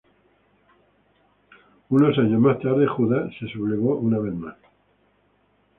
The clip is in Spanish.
Unos años más tarde Judá se sublevó una vez más.